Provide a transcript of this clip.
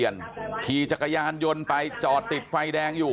โรงเรียนขีจักรยานยนต์ไปจอดติดไฟแดงอยู่